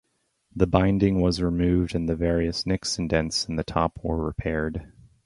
The binding was removed and various nicks and dents in the top were repaired.